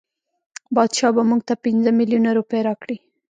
بادشاه به مونږ ته پنځه میلیونه روپۍ راکړي.